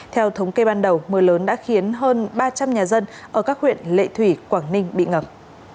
theo thống kê ban đầu mưa lớn đã khiến hơn ba trăm linh nhà dân ở các huyện lệ thủy quảng ninh bị ngập